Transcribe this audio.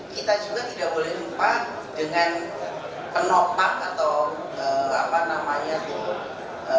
kita juga tidak boleh lupa dengan penopang atau apa namanya